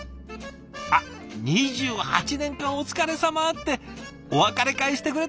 あっ「２８年間お疲れ様」ってお別れ会してくれたんですね。